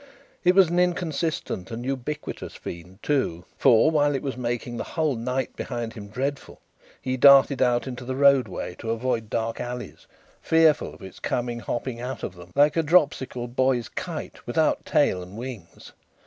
It was an inconsistent and ubiquitous fiend too, for, while it was making the whole night behind him dreadful, he darted out into the roadway to avoid dark alleys, fearful of its coming hopping out of them like a dropsical boy's kite without tail and wings.